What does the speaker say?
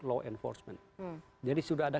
law enforcement jadi sudah ada